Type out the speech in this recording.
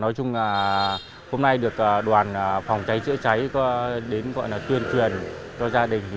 nói chung là hôm nay được đoàn phòng cháy chữa cháy đến tuyên truyền cho gia đình